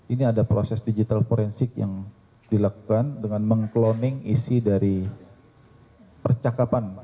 ini ada proses digital forensik yang dilakukan dengan meng cloning isi dari percakapan